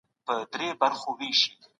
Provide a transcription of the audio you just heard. د طلاق ښکاږي چي ټولنه د تغییر سره مخ ده.